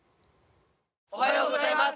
おはようございます。